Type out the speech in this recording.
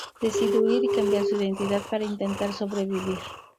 Decide huir y cambiar su identidad para intentar sobrevivir.